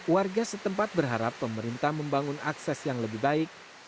warga setempat berharap pemerintah membangun akses yang lebih baik